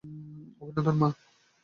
অভিনন্দন, মা!